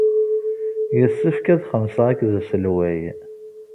Yessefk ad xemmseɣ akked Uselway.